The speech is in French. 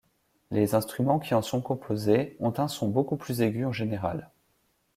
Les instruments qui en sont composés ont un son beaucoup plus aigu en général.